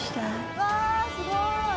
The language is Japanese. うわすごい！